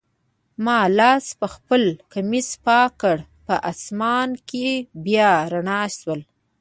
ما لاس پخپل کمیس پاک کړ، په آسمان کي بیا رڼا شول.